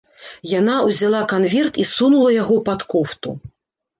Яна ўзяла канверт і сунула яго пад кофту.